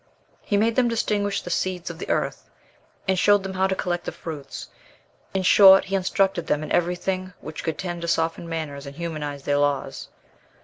He made them distinguish the seeds of the earth, and showed them how to collect the fruits; in short, he instructed them in everything which could tend to soften manners and humanize their laws.